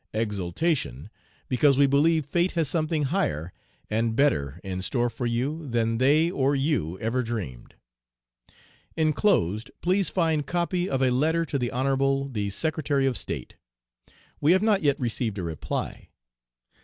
Exultation! because we believe fate has something higher and better in store for you than they or you ever dreamed. Inclosed please find copy of a letter to the Honorable the Secretary of State. We have not yet received a reply.